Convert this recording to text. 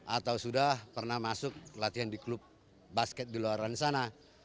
atau sudah pernah masuk latihan di klub basket di luar sana